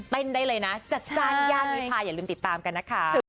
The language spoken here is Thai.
ได้เลยนะจัดจ้านย่านวิพาอย่าลืมติดตามกันนะคะ